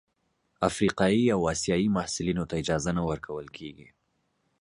افریقايي او اسیايي محصلینو ته اجازه نه ورکول کیږي.